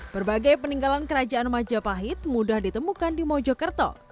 berbagai peninggalan kerajaan majapahit mudah ditemukan di mojokerto